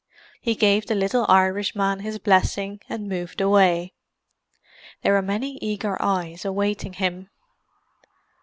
He gave the little Irishman his blessing and moved away. There were many eager eyes awaiting him.